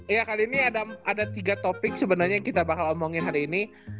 iya kali ini ada tiga topik sebenarnya yang kita bakal omongin hari ini